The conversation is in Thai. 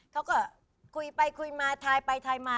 เขาก็คุยไปคุยมาทายไปทายมา